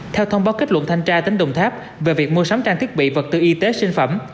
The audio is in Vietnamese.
theo thông báo kết luận thanh tra tỉnh đồng tháp về việc mua sắm trang thiết bị vật tư y tế sinh phẩm